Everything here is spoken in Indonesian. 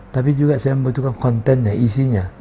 tapi juga saya membutuhkan kontennya isinya